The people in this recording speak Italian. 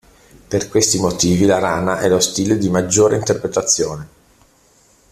Per questi motivi la rana è lo stile di maggiore interpretazione.